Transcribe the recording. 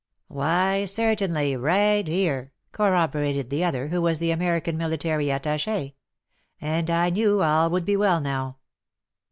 Why, certainly — right here," — corroborated the other, who was the American Military Attach^. And I knew all would be well now.